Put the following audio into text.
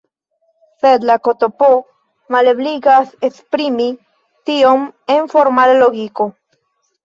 Sed la "ktp" malebligas esprimi tion en formala logiko.